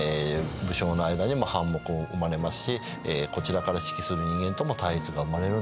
武将の間にも反目が生まれますしこちらから指揮する人間とも対立が生まれるんですね。